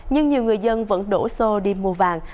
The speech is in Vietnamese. nhưng nhiều người dân vẫn đổ xô đi mua vàng